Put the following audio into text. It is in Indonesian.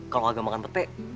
kalo gak makan petek